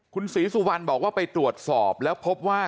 คุณศรีสุวรรณบอกว่าไปตรวจสอบแล้วพบว่า